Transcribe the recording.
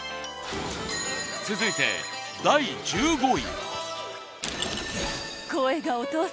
続いて第１５位は。